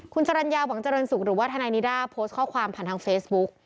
คุณจรรยาหวังเจริญสุขหรือว่าทนายนิด้าโพสต์ข้อความผ่านทางเฟซบุ๊ก